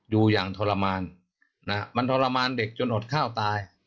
อยู่อย่างทรมานมันทรมานเด็กจนอดข้าวตาย